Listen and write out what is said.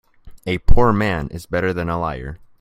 A poor man is better than a liar.